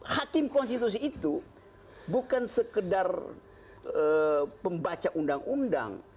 hakim konstitusi itu bukan sekedar pembaca undang undang